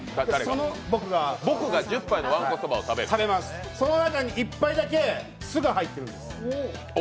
僕が、その中に１杯だけ酢が入ってるんです